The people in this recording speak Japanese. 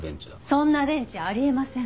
そんな電池あり得ません。